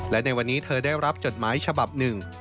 และในวันนี้เธอได้รับจดหมายฉบับหนึ่ง